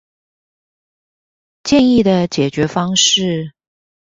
建議的解決方式